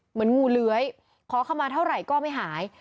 งูเลื้อยขอขมาเท่าไหร่ก็ไม่หาย